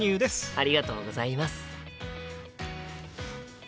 ありがとうございます。